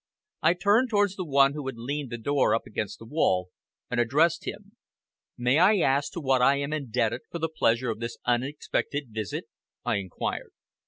I turned towards the one who had leaned the door up against the wall, and addressed him. "May I ask to what I am indebted for the pleasure of this unexpected visit?" I inquired.